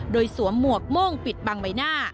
โดยสวมหมวกโม่งปิดบังใบหน้า